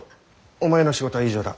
お前の仕事は以上だ。